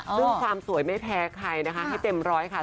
ซึ่งความสวยไม่แพ้ใครนะคะให้เต็มร้อยค่ะ